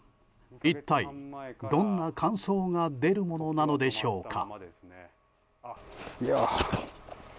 一体、どんな感想が出るものなのでしょうか。